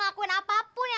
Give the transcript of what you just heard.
hey bijan lerum lainnya